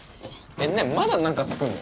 えっ何まだ何か作んの？